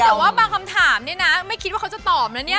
แต่ว่าบางคำถามเนี่ยนะไม่คิดว่าเขาจะตอบนะเนี่ย